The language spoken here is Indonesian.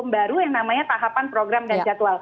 baru yang namanya tahapan program dan jadwal